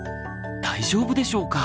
大丈夫でしょうか？